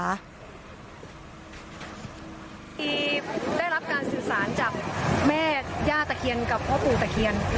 คือได้รับการสื่อสารจากแม่ย่าตะเคียนกับพ่อปู่ตะเคียน